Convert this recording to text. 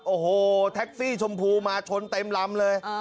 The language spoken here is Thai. โอ้โหแท็กซี่ชมพูมาชนเต็มลำเลย